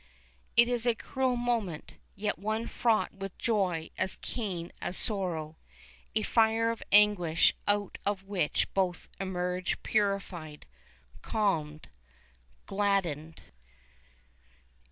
It is a cruel moment, yet one fraught with joy as keen as the sorrow a fire of anguish out of which both emerge purified, calmed gladdened.